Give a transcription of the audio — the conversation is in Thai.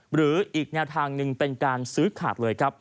หรืออีกแนวทางหนึ่งเป็นการซื้อขาดเลยครับ